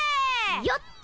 よっと！